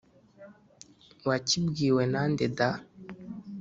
Wacyibwiwe na nde da”?